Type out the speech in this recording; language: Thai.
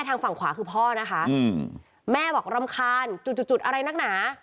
ทางฝั่งขวาคือพ่อนะคะอืมแม่บอกรำคาญจุดจุดอะไรนักหนา